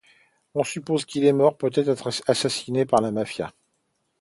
On suppose qu'il est mort, peut-être assassiné par la mafia.